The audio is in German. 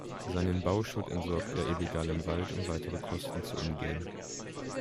Seinen Bauschutt entsorgt er illegal im Wald, um weitere Kosten zu umgehen.